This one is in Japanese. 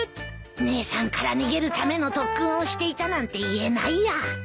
姉さんから逃げるための特訓をしていたなんて言えないや。